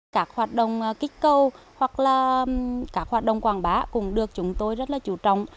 các hoạt động kích cầu hoặc là các hoạt động quảng bá cũng được chúng tôi rất là chủ trọng